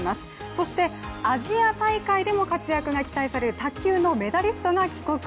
そしてアジア大会でも活躍が期待される卓球のメダリストが帰国。